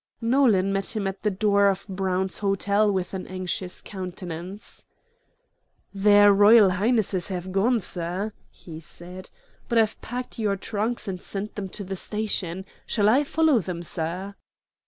Nolan met him at the door of Brown's Hotel with an anxious countenance. "Their Royal Highnesses have gone, sir," he said. "But I've packed your trunks and sent them to the station. Shall I follow them, sir?"